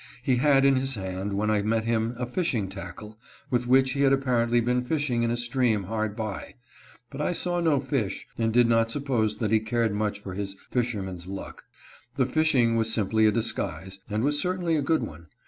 He had in his hand when I met him a fishing tackle, with which he had apparently been fishing in a stream hard by ; but I saw no fish, and did not suppose that he cared much for his " fisherman's luck." The fishing was simply a disguise, and was certainly a good one.